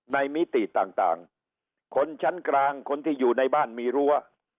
มิติต่างคนชั้นกลางคนที่อยู่ในบ้านมีรั้ว